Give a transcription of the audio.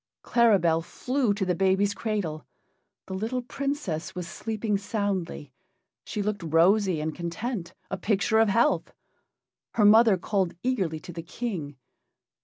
Claribel flew to the baby's cradle. The little Princess was sleeping soundly; she looked rosy and content a picture of health. Her mother called eagerly to the King.